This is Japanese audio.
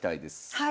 はい。